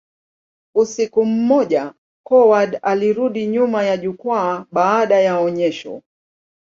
Usiku mmoja, Coward alirudi nyuma ya jukwaa baada ya onyesho.